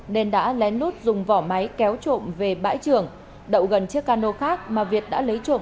nên đã lén lút dùng vỏ máy kéo trộm về bãi trường đậu gần chiếc cano khác mà việt đã lấy trộm